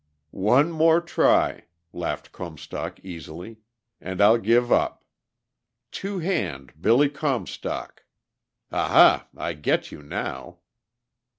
"One more try," laughed Comstock easily, "and I'll give up. Two Hand Billy Comstock.... Aha, I get you now!"